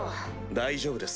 大丈夫です。